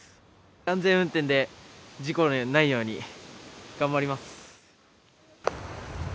安全運転で、事故のないように頑張ります。